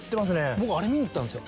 僕あれ見に行ったんですよ。